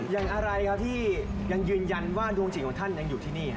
อะไรครับที่ยังยืนยันว่าดวงจิตของท่านยังอยู่ที่นี่